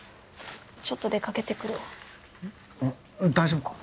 ちょっと出かけてくる大丈夫か？